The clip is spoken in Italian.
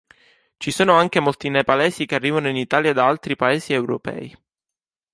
Ci sono anche molti nepalesi che arrivano in Italia da altri paesi europei.